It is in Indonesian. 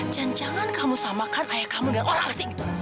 jangan jangan kamu samakan ayah kamu dengan orang asli gitu